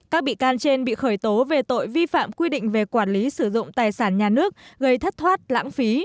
các bị can trên bị khởi tố về tội vi phạm quy định về quản lý sử dụng tài sản nhà nước gây thất thoát lãng phí